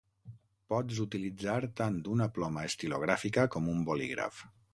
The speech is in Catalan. Pots utilitzar tant una ploma estilogràfica com un bolígraf.